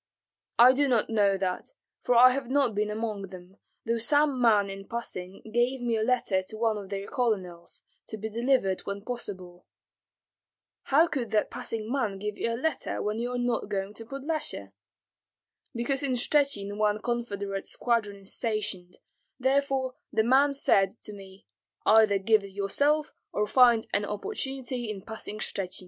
"I do not know that, for I have not been among them, though some man in passing gave me a letter to one of their colonels, to be delivered when possible." "How could that passing man give you a letter when you are not going to Podlyasye?" "Because in Shchuchyn one confederate squadron is stationed, therefore the man said to me, 'Either give it yourself or find an opportunity in passing Shchuchyn.'"